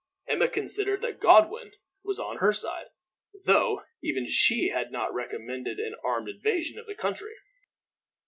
Emma considered that Godwin was on her side, though even she had not recommended an armed invasion of the country.